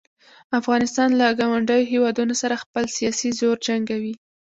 افغانستان له ګاونډیو هیوادونو سره خپل سیاسي زور جنګوي.